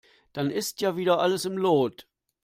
Dann ist ja wieder alles im Lot.